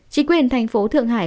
chỉ quyền thành phố thượng hải